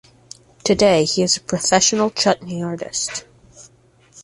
Today he is a professional chutney artist.